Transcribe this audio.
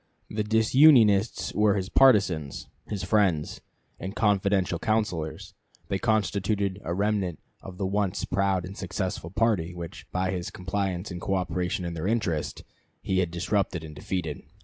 The disunionists were his partisans, his friends, and confidential counselors; they constituted a remnant of the once proud and successful party which, by his compliance and coöperation in their interest, he had disrupted and defeated.